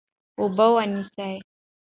اوبه ونیسه.